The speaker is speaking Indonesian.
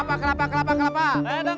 pangandaran pangandaran pangandaran